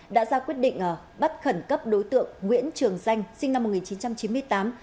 đã ra quyết định bắt khẩn cấp đối tượng nguyễn trường danh sinh năm một nghìn chín trăm chín mươi tám